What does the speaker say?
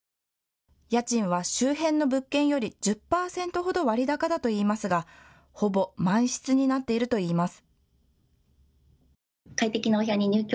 家賃は周辺の物件より１０％ほど割高だといいますがほぼ満室になっているといいます。